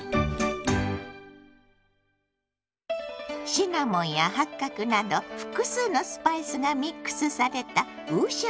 シナモンや八角など複数のスパイスがミックスされた五香粉。